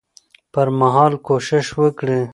پر مهال کوشش وکړي